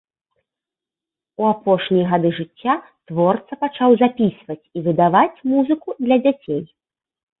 У апошнія гады жыцця творца пачаў запісваць і выдаваць музыку для дзяцей.